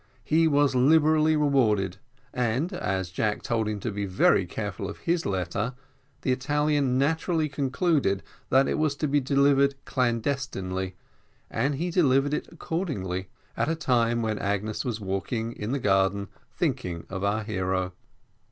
He was liberally rewarded; and, as Jack told him to be very careful of his letter, the Italian naturally concluded that it was to be delivered clandestinely, and he delivered it accordingly, at a time when Agnes was walking in the garden thinking of our hero.